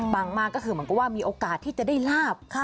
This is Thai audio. ปังมากก็คือมีโอกาสที่จะได้ลาบ